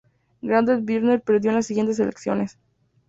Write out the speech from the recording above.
Garrett Byrne perdió las siguientes elecciones.